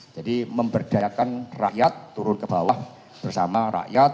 jadi memberdayakan rakyat turun ke bawah bersama rakyat